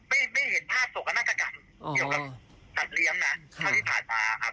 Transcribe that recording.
ไม่เห็นพลาดสกนักกระกำเกี่ยวกับสัตว์เลี้ยงนะเท่าที่ผ่านปลาครับ